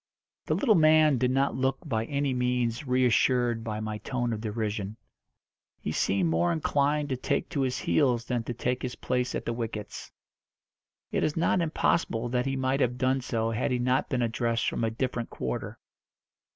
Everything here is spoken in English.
The little man did not look by any means reassured by my tone of derision. He seemed more inclined to take to his heels than to take his place at the wickets. It is not impossible that he might have done so had he not been addressed from a different quarter.